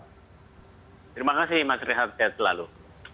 terima kasih mas rehat sehat selalu